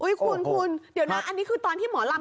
คุณคุณเดี๋ยวนะอันนี้คือตอนที่หมอลำ